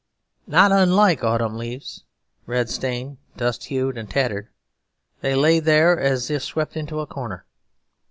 Not unlike autumn leaves, red stained, dust hued, and tattered, they lay there as if swept into a corner.